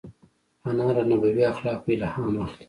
انا له نبوي اخلاقو الهام اخلي